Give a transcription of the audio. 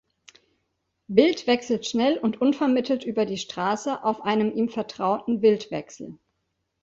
Wild wechselt schnell und unvermittelt über die Straße auf einem ihm vertrauten Wildwechsel.